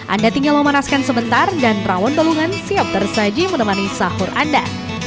anda tinggal memanaskan sebentar dan rawon balungan siap tersaji menemani sahur anda